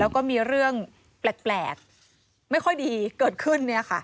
แล้วก็มีเรื่องแปลกไม่ค่อยดีเกิดขึ้น